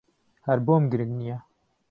ھەر بۆم گرنگ نییە.